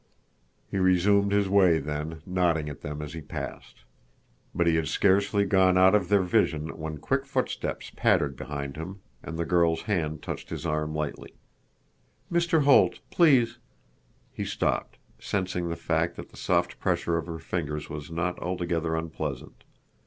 He resumed his way then, nodding at them as he passed. But he had scarcely gone out of their vision when quick footsteps pattered behind him, and the girl's hand touched his arm lightly. "Mr. Holt, please—" He stopped, sensing the fact that the soft pressure of her fingers was not altogether unpleasant.